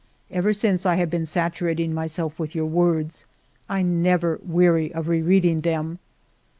Ever since I have been saturating myself with your words. I never weary ot re reading them.